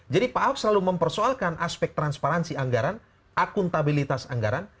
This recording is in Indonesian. jadi pak ahok selalu mempersoalkan aspek transparansi anggaran akuntabilitas anggaran